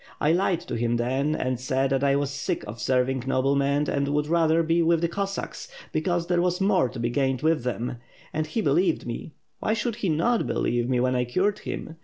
I lied to him then, and said that I was sick of serving noblemen and would rather be with the Cossacks, because there was more to be gained with them; and he be lieved me. Why should he not believe me when I cured him?